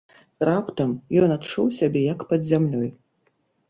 Раптам ён адчуў сябе як пад зямлёй.